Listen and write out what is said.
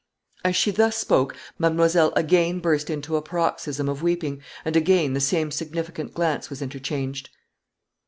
As she thus spoke, mademoiselle again burst into a paroxysm of weeping, and again the same significant glance was interchanged.